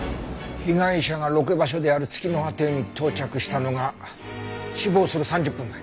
被害者がロケ場所である月葉亭に到着したのが死亡する３０分前。